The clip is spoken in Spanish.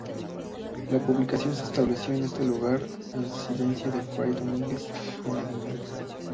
La población se estableció en este lugar a instancias de fray Domingo de Aguinaga.